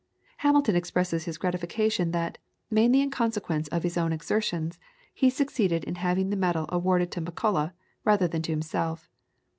Hamilton expresses his gratification that, mainly in consequence of his own exertions, he succeeded in having the medal awarded to Macullagh rather than to himself.